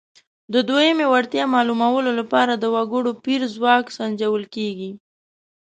د دویمې وړتیا معلومولو لپاره د وګړو پېر ځواک سنجول کیږي.